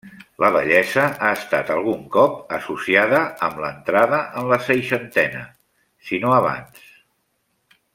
La vellesa ha estat algun cop associada amb l'entrada en la seixantena, si no abans.